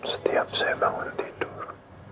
setiap saya bangun tidur